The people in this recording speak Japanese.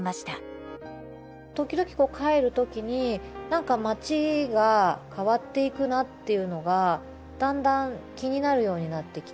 時々こう帰るときになんか町が変わっていくなっていうのがだんだん気になるようになってきて。